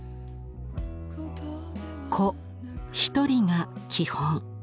個一人が基本。